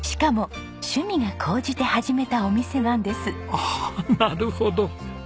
ああなるほど。